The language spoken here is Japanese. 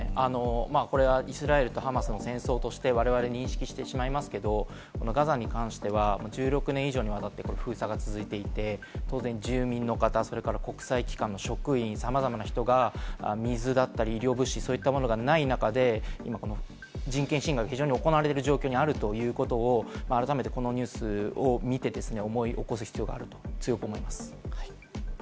イスラエルとハマスの戦争としてわれわれ認識してしまいますけれども、ガザに関しては、１６年以上にわたって封鎖が続いていて、当然住民の方、それから国際機関の職員さまざまな人が水だったり医療物資、そういったものがない中で人権侵害が非常に行われている状況にあるということを改めてこのニュースを見て、思い起こす必要があると強く思います。